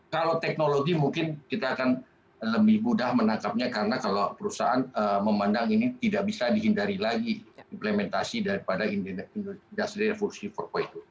kalau teknologi mungkin kita akan lebih mudah menangkapnya karena kalau perusahaan memandang ini tidak bisa dihindari lagi implementasi daripada industri revolusi empat itu